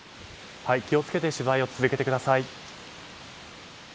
気を付けて取材を続けてください。